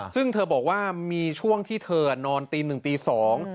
ซึ่งเธอบอกว่ามีช่วงที่เธอนอนตีหนึ่งตีสอง